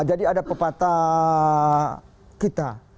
jadi ada pepatah kita